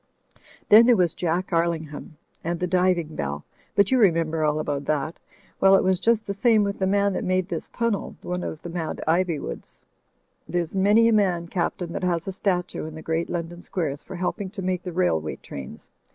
Then there was Jack Arling ham and the diving bell — but you remember all about that. Well, it was just the same with the man that made this timnel— one of the mad Iv3rwoods. There's many a man, Caplain, that has a statue in the great London squares for helping to make the railway trains.